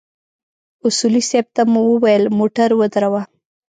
اصولي صیب ته مو وويل موټر ودروه.